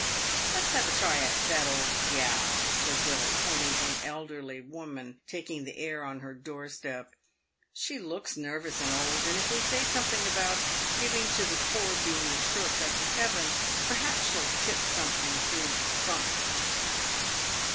" Let's have a try at that old gal," said Billy, pointing to an elderly woman taking the air on her door step. " She looks nervous and old, and if we say something about giving to the poor being the short cut to heaven, perhaps she'll tip something through funk."